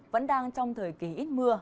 vẫn đang trong thời kỳ ít mưa